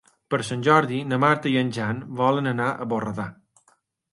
Per Sant Jordi na Marta i en Jan volen anar a Borredà.